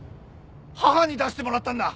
母に出してもらったんだ！